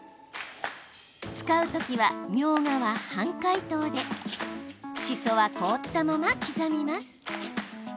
使う時はみょうがは半解凍でしそは凍ったまま刻みます。